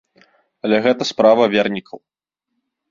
Але гэта справа вернікаў.